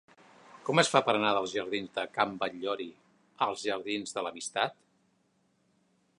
Com es fa per anar dels jardins de Can Batllori als jardins de l'Amistat?